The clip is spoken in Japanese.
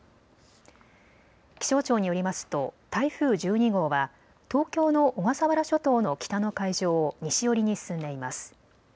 気象庁によりますと台風１２号は東京の小笠原諸島の北の海上を西寄りに進んでいます。